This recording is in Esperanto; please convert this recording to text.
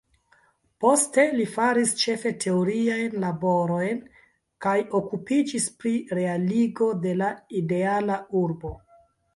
Poste li faris ĉefe teoriajn laborojn kaj okupiĝis pri realigo de la ideala urbo.